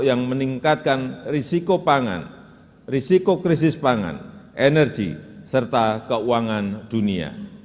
yang meningkatkan risiko pangan risiko krisis pangan energi serta keuangan dunia